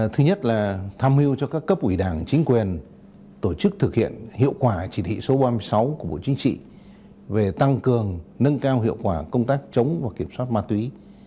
thứ nhất là tham mưu cho các cấp ủy đảng chính quyền tổ chức thực hiện hiệu quả chỉ thị số ba mươi sáu của bộ chính trị về tăng cường nâng cao hiệu quả công tác chống và kiểm soát ma túy